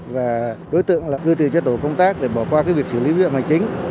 và đối tượng đưa tiền cho tổ công tác để bỏ qua việc xử lý viện hành chính